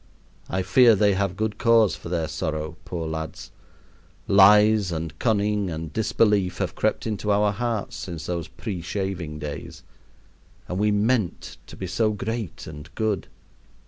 I fear they have good cause for their sorrow, poor lads. Lies and cunning and disbelief have crept into our hearts since those preshaving days and we meant to be so great and good.